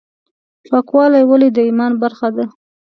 پاکوالی ولې د ایمان برخه ده؟